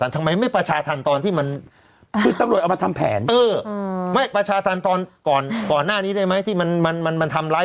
คือเท่าที่ส่วนใหญ่เวลามันเกิดเหตุการณ์แบบนี้